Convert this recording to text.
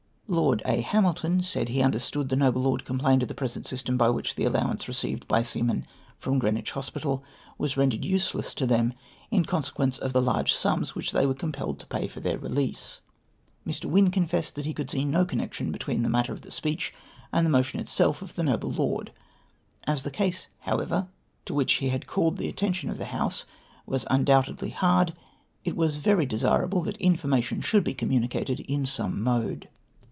" Lord A. Hamilton said he understood the noble lord complained of the present system by which the allowance received by seamen from Greenwich Hospital was rendered useless to them, in consequence of the large sums which they were compelled to pay for their release. " Mr. Wtnn confessed he could see no connection between the matter of the speech and the motion itself of the noble lord. As the case, however, to which he had called the attention of the House, was undoubtedly hard, it was very desirable that information should be communicated in some mode.